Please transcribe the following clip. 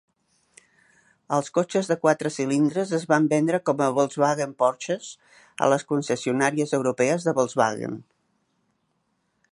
Els cotxes de quatre cilindres es van vendre com a Volkswagen-Porsches a les concessionàries europees de Volkswagen.